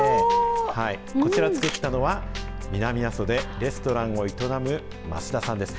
こちら作ったのは、南阿蘇でレストランを営むますださんです。